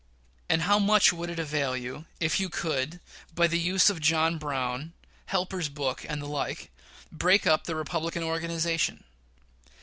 And how much would it avail you, if you could, by the use of John Brown, Helper's Book, and the like, break up the Republican organization?